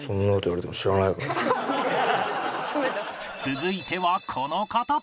続いてはこの方